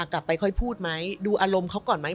กลับไปค่อยพูดไหมดูอารมณ์เขาก่อนไหม